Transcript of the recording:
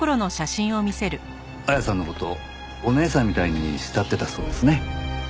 綾さんの事お姉さんみたいに慕ってたそうですね。